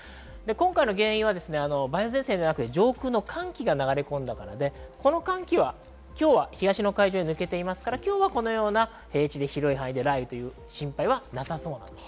今回の原因は梅雨前線ではなく上空の寒気が流れ込んだので、今日は東の海上に抜けていますから、今日は平地で広い範囲で雷雨という心配はなさそうです。